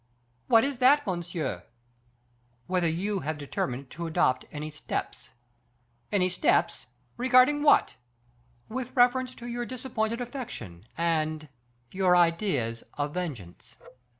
"What is that, monsieur?" "Whether you have determined to adopt any steps." "Any steps? Regarding what?" "With reference to your disappointed affection, and your ideas of vengeance."